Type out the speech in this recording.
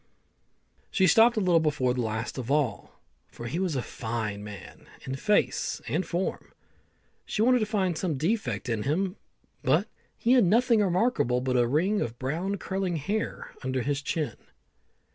She stopped a little before the last of all, for he was a fine man in face and form. She wanted to find some defect in him, but he had nothing remarkable but a ring of brown curling hair under his chin.